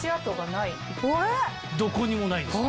どこにもないんですね。